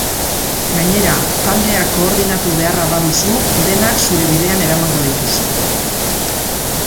Gainera, taldeak koordinatu beharra baduzu, denak zure bidean eramango dituzu.